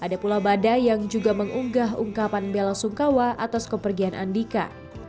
ada pula bada yang juga mengunggah ungkapan bela sungkawa atas kepergian andika